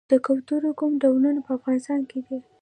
د کوترو کوم ډولونه په افغانستان کې دي؟